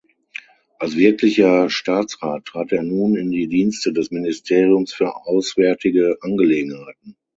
Als Wirklicher Staatsrat trat er nun in die Dienste des Ministeriums für auswärtige Angelegenheiten.